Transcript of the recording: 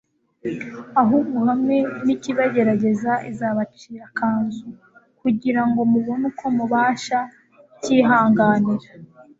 ahubwo hamwe n'ikibagerageza izabacira akanzu, kugira ngo mubone uko mubasha kucyihanganira.